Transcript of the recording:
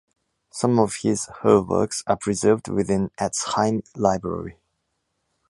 Some of his/her works are preserved within Etz-Haim Library.